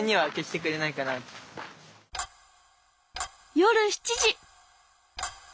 夜７時！